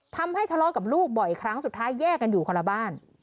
ทะเลาะกับลูกบ่อยครั้งสุดท้ายแยกกันอยู่คนละบ้าน